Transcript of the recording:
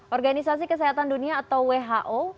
organisasi kesehatan dunia atau who